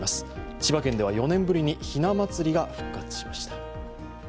千葉県では４年ぶりにひな祭りが復活しました。